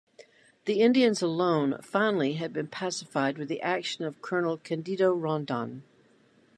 The Indians alone finally had been pacified with the action of colonel Candido Rondon.